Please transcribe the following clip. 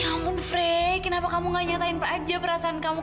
ya ampun frey kenapa kamu gak nyatain aja perasaan kamu